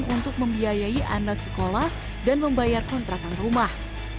untuk membiayai anak sekolah dan membayar kontrakan rumah